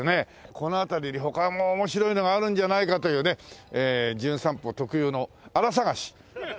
この辺りに他も面白いのがあるんじゃないかというね『じゅん散歩』特有のあら探し！